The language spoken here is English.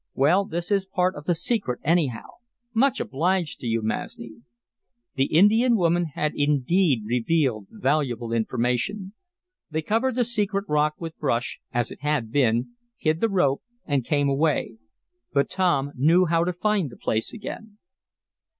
Well, this is part of the secret, anyhow. Much obliged to you, Masni!" The Indian woman had indeed revealed valuable information. They covered the secret rock with brush, as it had been, hid the rope and came away. But Tom knew how to find the place again.